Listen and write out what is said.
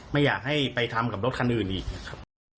ไม่อยากให้ไปทำกับรถคันอื่นอีกนะครับ